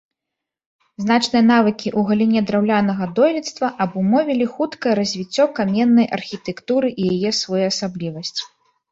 Значныя навыкі ў галіне драўлянага дойлідства абумовілі хуткае развіццё каменнай архітэктуры і яе своеасаблівасць.